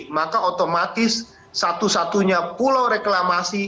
maka otomatis satu satunya pulau reklamasi